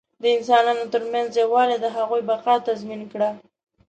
د انسانانو تر منځ یووالي د هغوی بقا تضمین کړه.